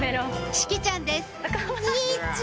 志葵ちゃんです